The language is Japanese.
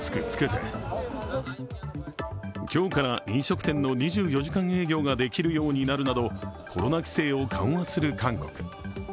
今日から飲食店の２４時間営業ができるようになるなどコロナ規制を緩和する韓国。